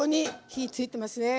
火ついてますね。